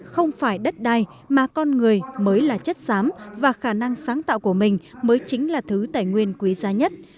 không phải đất đai mà con người mới là chất xám và khả năng sáng tạo của mình mới chính là thứ tài nguyên quý giá nhất